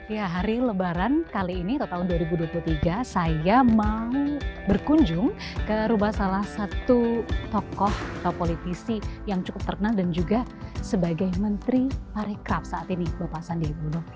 ya hari lebaran kali ini atau tahun dua ribu dua puluh tiga saya mau berkunjung ke rumah salah satu tokoh atau politisi yang cukup terkenal dan juga sebagai menteri parekraf saat ini bapak sandiaga uno